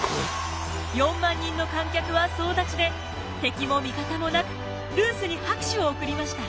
４万人の観客は総立ちで敵も味方もなくルースに拍手を送りました。